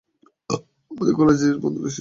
আমার কলেজের বন্ধুরা এসেছে।